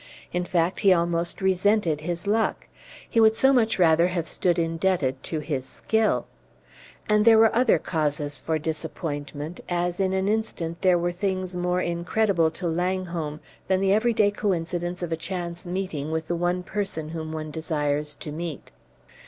In fact, he almost resented his luck; he would so much rather have stood indebted to his skill. And there were other causes for disappointment, as in an instant there were things more incredible to Langholm than the everyday coincidence of a chance meeting with the one person whom one desires to meet.